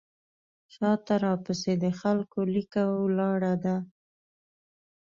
شاته راپسې د خلکو لیکه ولاړه ده.